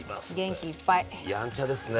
やんちゃですね。